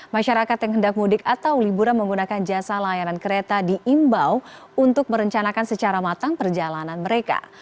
masyarakat yang hendak mudik atau liburan menggunakan jasa layanan kereta diimbau untuk merencanakan secara matang perjalanan mereka